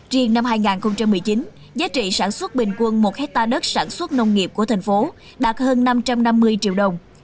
riêng năm hai nghìn một mươi chín giá trị sản xuất bình quân một hectare đất sản xuất nông nghiệp của thành phố đạt hơn năm trăm năm mươi triệu đồng